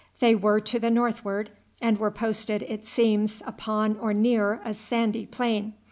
They were to the northward, and were posted, it seems, upon or near a sandy plain.